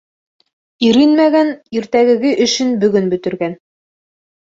Иренмәгән иртәгәге эшен бөгөн бөтөргән.